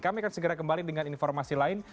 kami akan segera kembali dengan informasi lain